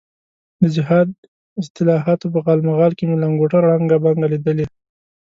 د جهاد اصطلاحاتو په غالمغال کې مې لنګوټه ړنګه بنګه لیدلې.